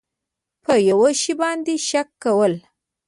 په یو شي باندې شک کول